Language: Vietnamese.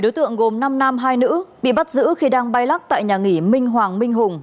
bốn đối tượng gồm năm nam hai nữ bị bắt giữ khi đang bay lắc tại nhà nghỉ minh hoàng minh hùng